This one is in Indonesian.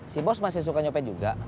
si bos masih suka nyopet juga